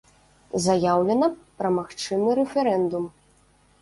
Заяўлена пра магчымы рэферэндум.